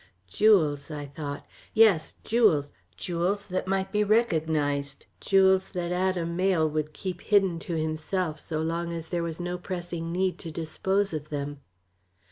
Jewels, I thought: yes, jewels jewels that might be recognized, jewels that Adam Mayle would keep hidden to himself so long as there was no pressing need to dispose of them.